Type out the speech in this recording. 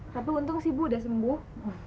tapi untung sih bu udah sembuh